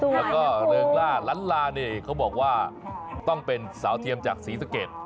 แล้วก็เริงล่าล้านลานี่เขาบอกว่าต้องเป็นสาวเทียมจากศรีสะเกด